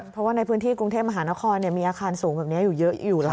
เพราะว่าในพื้นที่กรุงเทพมหานครมีอาคารสูงแบบนี้อยู่เยอะอยู่แล้ว